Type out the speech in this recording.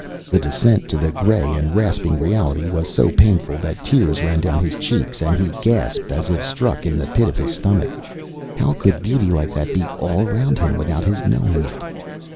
The descent to the grey and rasping reality was so painful that tears ran down his cheeks, and he gasped as if struck in the pit of the stomach. How could beauty like that be all around him without his knowing it?